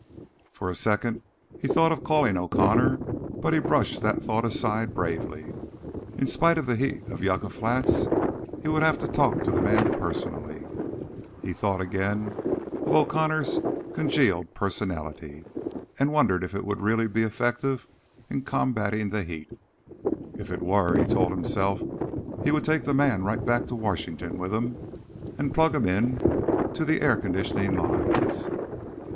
For a second he thought of calling O'Connor, but he brushed that thought aside bravely. In spite of the heat of Yucca Flats, he would have to talk to the man personally. He thought again of O'Connor's congealed personality, and wondered if it would really be effective in combating the heat. If it were, he told himself, he would take the man right back to Washington with him, and plug him into the air conditioning lines.